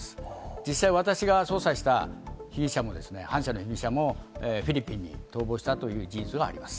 実際、私が捜査した被疑者も、反社の被疑者もフィリピンに逃亡したという事実があります。